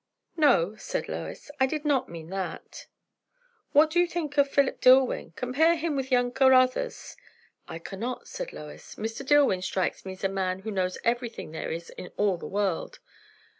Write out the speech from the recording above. "No," said Lois; "I did not mean that." "What do you think of Philip Dillwyn? Comare him with young Caruthers." "I cannot," said Lois. "Mr. Dillwyn strikes me as a man who knows everything there is in all the world."